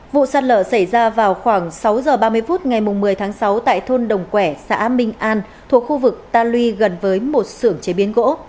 vụ sạt lở xảy ra vào khoảng sáu giờ ba mươi phút ngày một mươi tháng sáu tại thôn đồng quẻ xã minh an thuộc khu vực ta lui gần với một sưởng chế biến gỗ